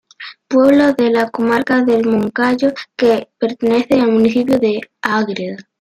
Pueblo de la Comarca del Moncayo que pertenece al municipio de Ágreda.